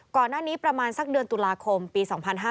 ก่อนหน้านี้ประมาณสักเดือนตุลาคมปี๒๕๕๙